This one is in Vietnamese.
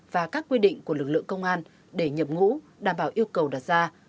và các quy định của lực lượng công an để nhập ngũ đảm bảo yêu cầu đặt ra